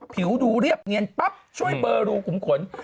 ผิวดูเรียบเนียนปั๊บช่วยเบอร์รูขุมขน